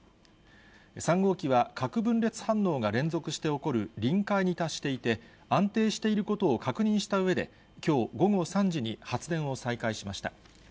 ３号機は核分裂反応が連続して起こる臨界に達していて、安定していることを確認したうえで、きょう午後３時に発電を再開しました。